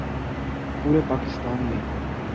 پورے پاکستان میں